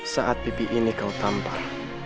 saat pipi ini kau tampar